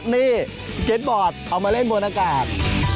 นี่สเก็ตบอร์ดเอามาเล่นบนอากาศ